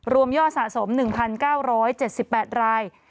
รวมย่อสะสม๑๙๗๘ราย